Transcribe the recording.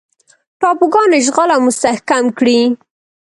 ټاپوګان اشغال او مستحکم کړي.